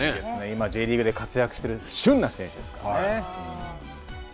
今、Ｊリーグで活躍している旬な選手ですからね。